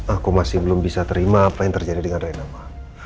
aku masih belum bisa terima apa yang terjadi dengan rainama